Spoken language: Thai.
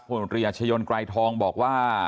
ผู้โดยอาชญนกรายทองบอกว่า